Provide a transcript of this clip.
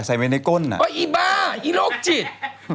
ไอ้บ้าไอ้โรคจิต